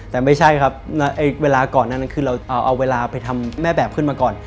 แต่ไม่ใช่ครับเวลาก่อนนั้นคือเราเอาเวลาไปทำแม่แบบขึ้นมาก่อน